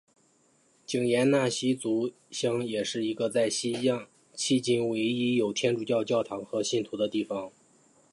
盐井纳西族乡也是一个在西藏迄今唯一有天主教教堂和信徒的地方。